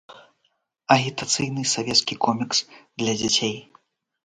Агітацыйны савецкі комікс для дзяцей.